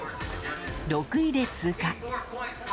６位で通過。